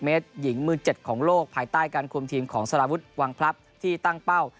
เมตรหญิงมือ๗ของโลกภายใต้การคุมทีมของสารวุฒิวังพลับที่ตั้งเป้า